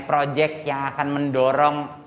project yang akan mendorong